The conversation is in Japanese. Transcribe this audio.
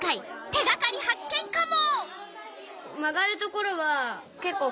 手がかり発見カモ！